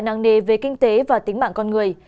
nặng nề về kinh tế và tính mạng con người